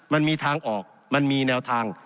มันมีทางออกมันมีแนวทาง